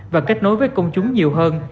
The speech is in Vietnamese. và kết nối với công chúng nhiều hơn